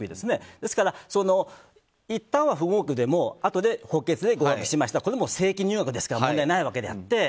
ですから、いったんは不合格でもあとで補欠で合格しましたこれも正規入学ですから問題ないわけであって。